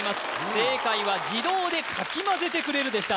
正解は自動でかき混ぜてくれるでした